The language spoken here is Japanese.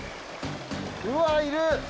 うわぁいる！